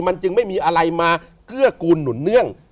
มันจึงไม่มีอะไรมาเกื้อกูลหนุนเนื่อง